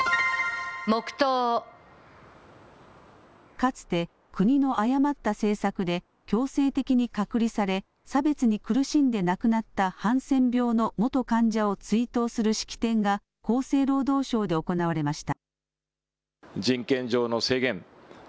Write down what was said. かつて国の誤った政策で強制的に隔離され差別に苦しんで亡くなったハンセン病の元患者を追悼する式典が厚生労働省で行われました。